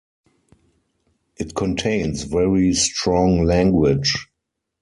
It contains very strong language.